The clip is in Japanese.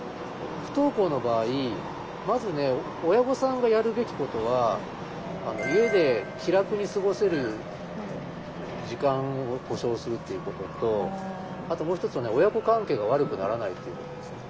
不登校の場合まずね親御さんがやるべきことは家で気楽に過ごせる時間を保障するっていうこととあともう一つは親子関係が悪くならないっていうことですね。